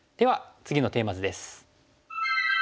次のテーマ図です。